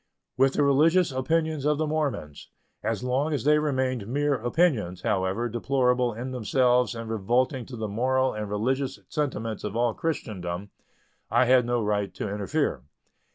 With the religious opinions of the Mormons, as long as they remained mere opinions, however deplorable in themselves and revolting to the moral and religious sentiments of all Christendom, I had no right to interfere.